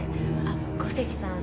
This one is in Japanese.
あっ小関さん